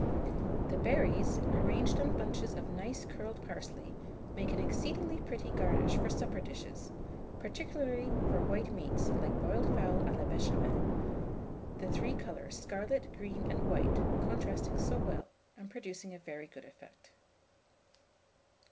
The berries, arranged on bunches of nice curled parsley, make an exceedingly pretty garnish for supper dishes, particularly for white meats, like boiled fowl à la Béchamel, the three colours, scarlet, green, and white, contrasting so well, and producing a very good effect.